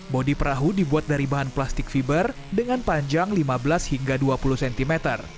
bodi perahu dibuat dari bahan plastik fiber dengan panjang lima belas hingga dua puluh cm